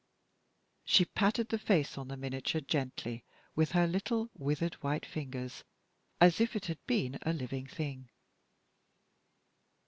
She patted the face on the miniature gently with her little, withered, white fingers, as if it had been a living thing.